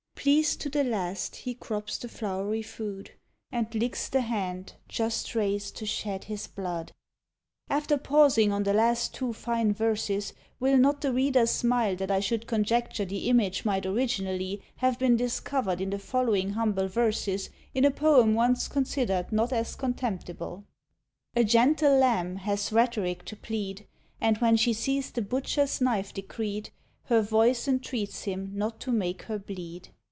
Pleased to the last he crops the flowery food, And licks the hand just rais'd to shed his blood. After pausing on the last two fine verses, will not the reader smile that I should conjecture the image might originally have been discovered in the following humble verses in a poem once considered not as contemptible: A gentle lamb has rhetoric to plead, And when she sees the butcher's knife decreed, Her voice entreats him not to make her bleed.